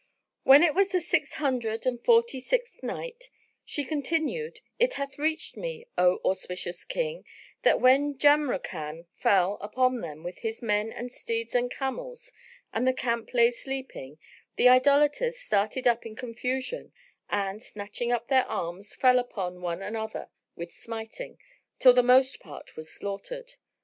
When it was the Six Hundred and Forty sixth Night, She continued, It hath reached me, O auspicious King, that when Jamrkan fell upon them with his men and steeds and camels, and the camp lay sleeping, the idolaters started up in confusion and, snatching up their arms, fell upon one another with smiting, till the most part was slaughtered.